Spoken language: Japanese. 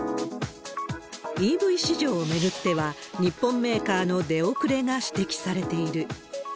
ＥＶ市場を巡っては、日本メーカーの出遅れが指摘されている。